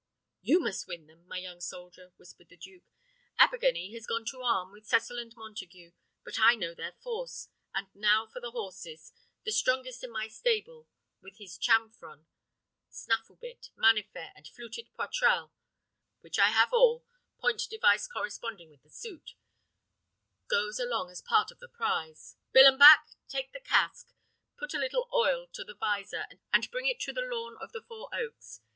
"You must win them, my young soldier," whispered the duke. "Abergany has gone to arm, with Cecil and Montague; but I know their force. And now for the horses. The strongest in my stable, with his chanfron, snaffle bit, manifaire, and fluted poitrel (which I have all, point device corresponding with the suit), goes along as part of the prize. Billenbach! take the casque, put a little oil to the visor, and bring it to the lawn of the Four Oaks.